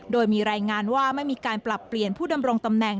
โดยมีรายงานว่าไม่มีการปรับเปลี่ยนผู้ดำรงตำแหน่ง